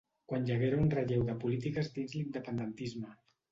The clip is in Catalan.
Quan hi haguera un relleu de polítiques dins l'independentisme.